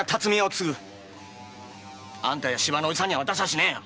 あんたや叔父さんには渡しゃしねえよ！